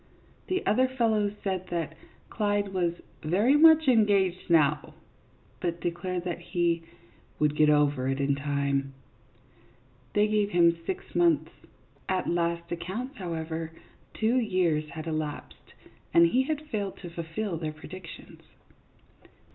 The other fellows said that Clyde was " very much engaged now," but declared that he " would get over it in time ;" they gave him six months. At last accounts, however, two years had elapsed, and he had failed to fulfil their predictions.